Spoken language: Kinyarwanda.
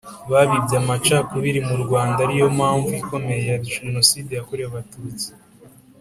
Babibye Amacakubiri mu Rwanda ari yo mpamvu ikomeye ya Jenoside yakorewe Abatutsi